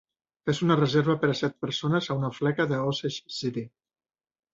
Fes una reserva per a set persones a una fleca de Osage City